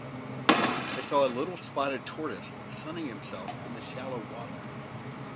I saw a little spotted tortoise sunning himself in the shallow water.